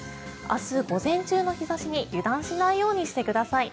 明日午前中の日差しに油断しないようにしてください。